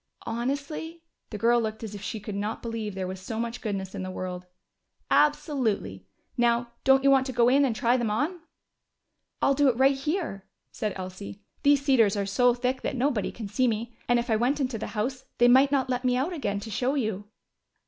"Honestly?" The girl looked as if she could not believe there was so much goodness in the world. "Absolutely! Now don't you want to go in and try them on?" "I'll do it right here," said Elsie. "These cedars are so thick that nobody can see me. And if I went into the house they might not let me out again to show you."